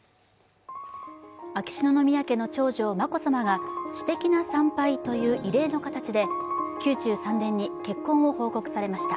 秋篠宮家の長女・眞子さまが私的な参拝という異例な形で宮中三殿に結婚を報告されました。